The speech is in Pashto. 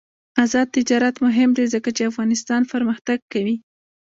آزاد تجارت مهم دی ځکه چې افغانستان پرمختګ کوي.